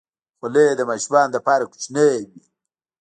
خولۍ د ماشومانو لپاره کوچنۍ وي.